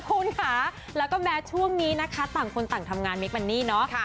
คุณค่ะแล้วก็แม้ช่วงนี้นะคะต่างคนต่างทำงานเมคมันนี่เนาะ